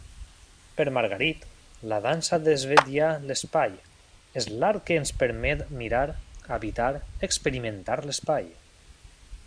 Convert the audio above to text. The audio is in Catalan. Per Margarit, la dansa desvetlla l'espai, és l'art que ens permet mirar, habitar, experimentar l'espai.